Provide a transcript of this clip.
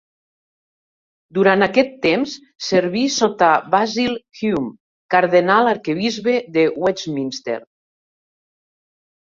Durant aquest temps serví sota Basil Hume, Cardenal Arquebisbe de Westminster.